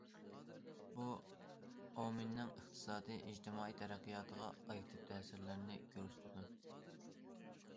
بۇ ئاۋمېننىڭ ئىقتىسادىي، ئىجتىمائىي تەرەققىياتىغا ئاكتىپ تەسىرلەرنى كۆرسىتىدۇ.